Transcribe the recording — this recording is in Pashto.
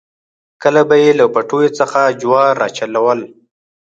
کله به یې له پټیو څخه جوار راچلول.